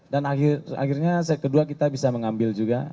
dan akhirnya set kedua kita bisa mengambil juga